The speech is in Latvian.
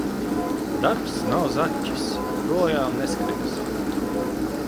Darbs nav zaķis – projām neskries.